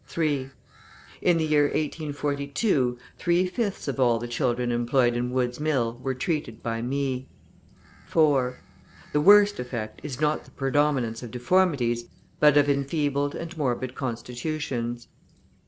(3) In the year 1842, three fifths of all the children employed in Wood's mill were treated by me. (4) The worst effect is not the predominance of deformities, but of enfeebled and morbid constitutions.